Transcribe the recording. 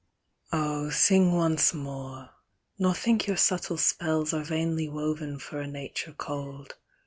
Oh, sing once more, nor think your subtle spells Are vainly woven for a nature cold.